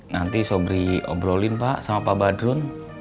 nanti sobri obrolin pak sama pak badrun